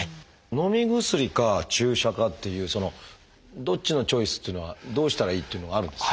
のみ薬か注射かっていうそのどっちのチョイスっていうのはどうしたらいいっていうのがあるんですか？